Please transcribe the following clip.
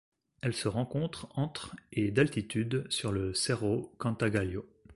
Elle se rencontre entre et d'altitude sur le Cerro Cantagallo.